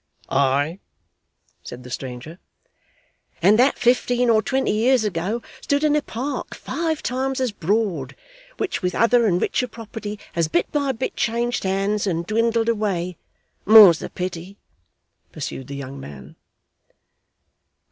'Aye,' said the stranger. 'And that fifteen or twenty years ago stood in a park five times as broad, which with other and richer property has bit by bit changed hands and dwindled away more's the pity!' pursued the young man.